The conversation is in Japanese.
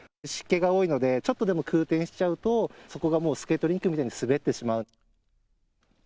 湿気が多いので、ちょっとでも空転しちゃうと、そこがもうスケートリンクみたいに滑ってしまう。